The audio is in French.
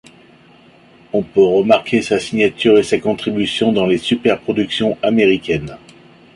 On peut remarquer sa signature et sa contribution dans les super-production américaines.